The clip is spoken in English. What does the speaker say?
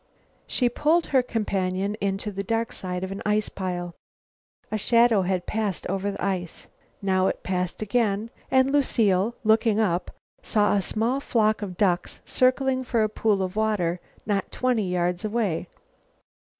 She pulled her companion into the dark side of an ice pile. A shadow had passed over the ice. Now it passed again, and Lucile, looking up, saw a small flock of ducks circling for a pool of water not twenty yards away.